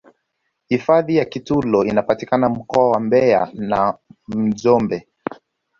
hifadhi ya kitulo inapatikana mkoa wa mbeya na njombe